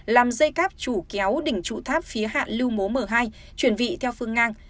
làm dây cáp chủ kéo đỉnh trụ tháp phía hạ lưu mố m hai chuyển vị theo phương ngang